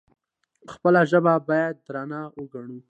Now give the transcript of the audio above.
خپله ژبه باید درنه وګڼو.